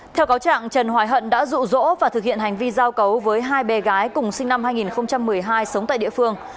theo cáo trạng trần hoài hận đã rụ rỗ và thực hiện hành vi giao cấu với hai bé gái cùng sinh năm hai nghìn một mươi hai sống tại địa phương